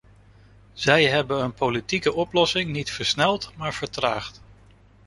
Zij hebben een politieke oplossing niet versneld, maar vertraagd.